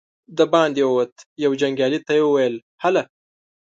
د باندې ووت، يوه جنګيالي ته يې وويل: هله!